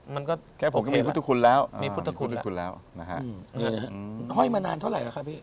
มันก็แค่ผมก็มีพุทธคุณแล้วมีพุทธคุณแล้วมีพุทธคุณแล้วอ่ามีพุทธคุณแล้วนะฮะอืมห้อยมานานเท่าไรล่ะค่ะพี่